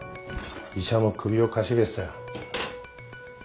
医者も首をかしげてたよ。